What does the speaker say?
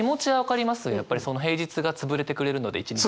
やっぱり平日が潰れてくれるので１日分。